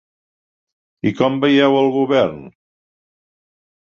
I com veieu el govern?